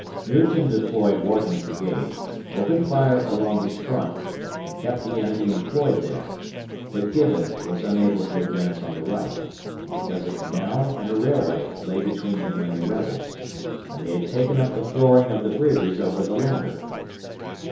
Newton deployed Wharton's brigade, opened fire along his front and kept the enemy employed there, but Gibbon was unable to advance on the right, because a canal and a railway lay between him and the rebels, and they had taken up the flooring of the bridges over the latter.